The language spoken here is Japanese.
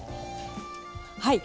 はい。